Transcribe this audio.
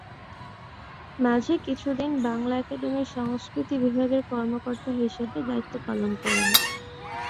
মাঝে কিছুদিন বাংলা একাডেমির সংস্কৃতি বিভাগের কর্মকর্তা হিসেবে দায়িত্ব পালন করেন।